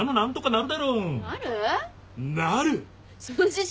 なる！